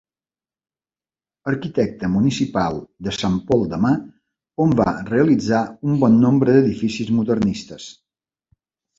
Arquitecte municipal de Sant Pol de Mar, on va realitzar un bon nombre d'edificis modernistes.